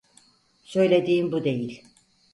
Söylediğim bu değil.